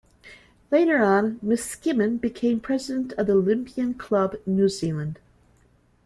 Later on Miskimmin became president of the Olympian Club New Zealand.